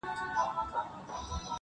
د باښو او د کارګانو هم نارې سوې!